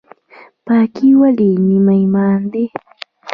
پاکي ولې نیم ایمان دی؟